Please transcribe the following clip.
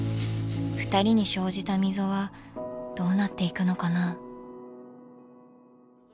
ふたりに生じた溝はどうなっていくのかな？